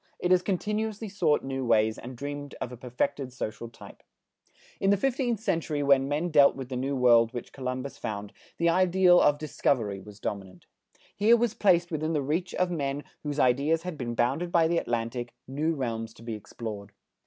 It has continuously sought new ways and dreamed of a perfected social type. In the fifteenth century when men dealt with the New World which Columbus found, the ideal of discovery was dominant. Here was placed within the reach of men whose ideas had been bounded by the Atlantic, new realms to be explored.